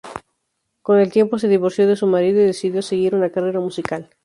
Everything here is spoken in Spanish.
Con el tiempo se divorció de su marido y decidió seguir una carrera musical.